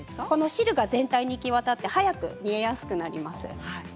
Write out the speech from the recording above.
汁が全体に行き渡って煮えやすくなります。